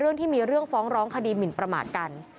เรื่องที่มีเรื่องฟ้องร้องคดีหมินประมาทกัน